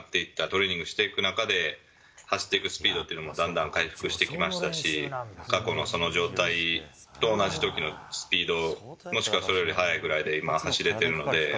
トレーニングしていく中で、走っていくスピードっていうのも、だんだん回復してきましたし、過去のその状態と同じときのスピード、もしくは、それより速いぐらいで今、走れているので。